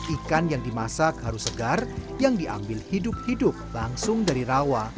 ikan yang dimasak harus segar yang diambil hidup hidup langsung dari rawa